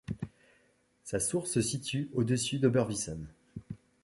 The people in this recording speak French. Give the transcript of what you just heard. Sa source se situe au-dessus de Oberwiesen.